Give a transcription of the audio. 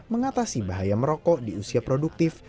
mengatasi bahaya merokok di usia produktif